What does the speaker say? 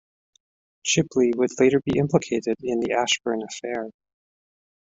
Chipley would later be implicated in the Ashburn affair.